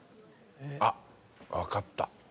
あっ分かった。